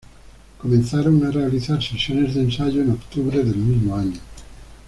Comenzaron a realizar sesiones de ensayo en octubre del mismo año.